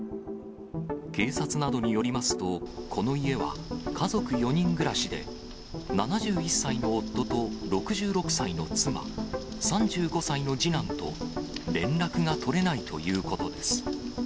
警察などによりますと、この家は家族４人暮らしで、７１歳の夫と６６歳の妻、３５歳の次男と連絡が取れないということです。